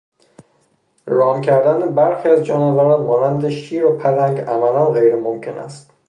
رام کردن برخی از جانوران مانند شیر و پلنگ عملا غیر ممکن است.